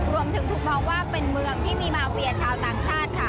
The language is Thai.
รวมถึงถูกมองว่าเป็นเมืองที่มีมาเวียชาวต่างชาติค่ะ